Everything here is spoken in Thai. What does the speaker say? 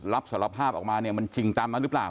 รับสารภาพออกมามันจริงจำหรือเปล่า